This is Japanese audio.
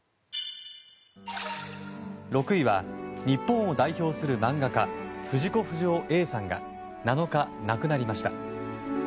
６位は、日本を代表する漫画家藤子不二雄Ａさんが７日、亡くなりました。